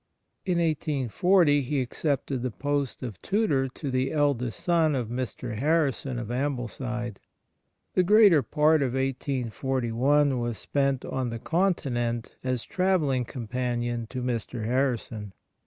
In 1840 he accepted the post of tutor to the eldest son of Mr. Harrison of Ambleside. The greater part of 1841 was spent on the Continent as travelling companion to Mr. Harrison.